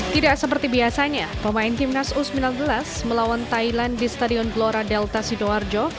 tidak seperti biasanya pemain timnas u sembilan belas melawan thailand di stadion glora delta sidoarjo